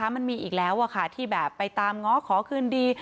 มันมีอีกแล้วที่แบบไปตามง้อขอคืนดี